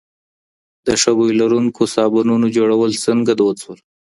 د ښه بوی لرونکو صابونونو جوړول څنګه دود سول؟